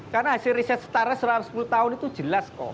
karena hasil riset setara selama sepuluh tahun itu jelas kok